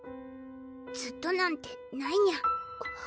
ずっとなんてないニャ